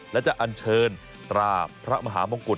และจะอันเชิญตราพระมหามงกุฎ